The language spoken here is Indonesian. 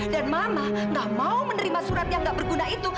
dan mama gak mau menerima surat yang gak berguna itu